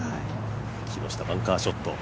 木下、バンカーショット。